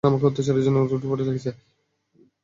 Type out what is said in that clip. এই বাড়ির লোকজন আমাকে অত্যাচারের জন্য উঠে পড়ে লেগেছে।